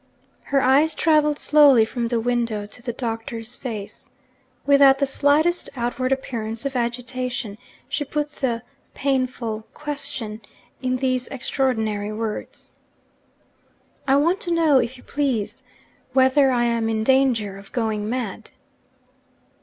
Her eyes travelled slowly from the window to the Doctor's face. Without the slightest outward appearance of agitation, she put the 'painful question' in these extraordinary words: 'I want to know, if you please, whether I am in danger of going mad?'